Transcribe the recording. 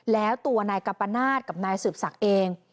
แล้วตัวนายกัมปนาศกับนายสืบศักดิ์เอง